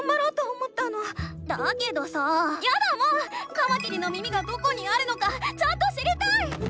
カマキリの耳がどこにあるのかちゃんと知りたい！